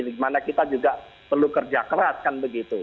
dimana kita juga perlu kerja keras kan begitu